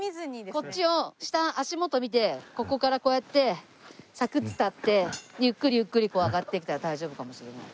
こっちを下足元見てここからこうやって柵伝ってゆっくりゆっくり上がってったら大丈夫かもしれない。